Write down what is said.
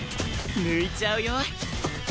抜いちゃうよ？